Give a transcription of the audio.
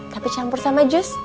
tapi campur sama jus